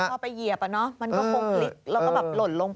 พอไปเหยียบมันก็คงพลิกแล้วก็แบบหล่นลงไป